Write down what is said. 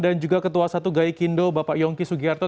dan juga ketua satu gai kindo bapak yonki sugiharto